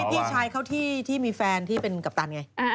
พี่ชายเขาที่มีแฟนที่เป็นกัปตันไง